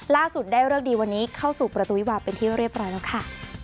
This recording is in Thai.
ได้เลิกดีวันนี้เข้าสู่ประตูวิวาเป็นที่เรียบร้อยแล้วค่ะ